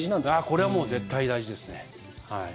これはもう絶対大事ですね。